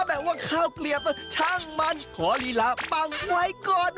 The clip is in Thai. แบบว่าข้าวเกลียบช่างมันขอลีลาปังไว้ก่อน